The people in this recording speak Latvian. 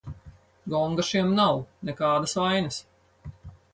Gonga šiem nav, nekādas vainas.